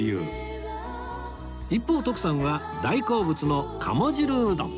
一方徳さんは大好物の鴨汁うどん